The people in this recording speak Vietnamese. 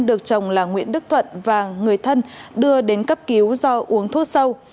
được chồng là nguyễn đức thuận và người thân đưa đến cấp cứu do uống thuốc sâu